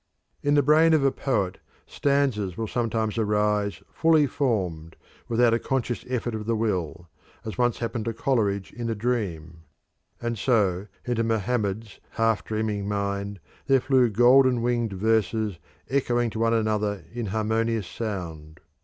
In the brain of a poet stanzas will sometimes arise fully formed without a conscious effort of the will, as once happened to Coleridge in a dream; and so into Mohammed's half dreaming mind there flew golden winged verses echoing to one another in harmonious sound.